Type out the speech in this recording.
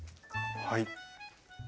はい。